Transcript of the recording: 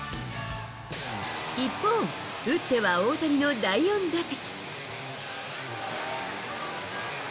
一方、打っては大谷の第４打席。